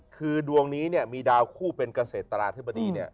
คือดวงนี้เนี่ยมีดาวคู่เป็นเกษตราธิบดีเนี่ย